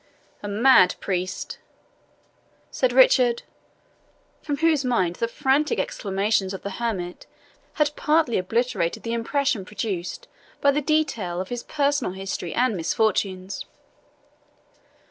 "A mad priest!" said Richard, from whose mind the frantic exclamations of the hermit had partly obliterated the impression produced by the detail of his personal history and misfortunes.